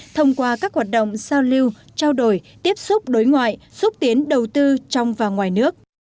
thông qua các hoạt động giao lưu trao đổi tiếp xúc đối ngoại xúc tiến đầu tư trong và ngoài nước